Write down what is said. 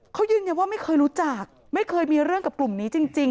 เขายืนยันว่าไม่เคยรู้จักไม่เคยมีเรื่องกับกลุ่มนี้จริง